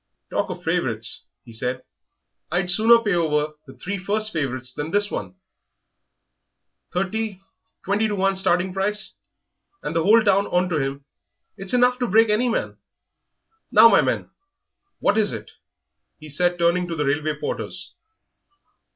"Talk of favourites!" he said; "I'd sooner pay over the three first favourites than this one thirty, twenty to one starting price, and the whole town onto him; it's enough to break any man.... Now, my men, what is it?" he said, turning to the railway porters.